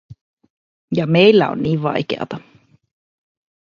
Ja meillä on niin vaikeata.